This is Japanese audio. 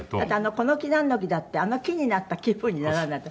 『この木なんの木』だってあの木になった気分にならないと。